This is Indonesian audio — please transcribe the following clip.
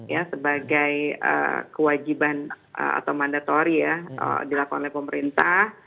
ya sebagai kewajiban atau mandatori ya dilakukan oleh pemerintah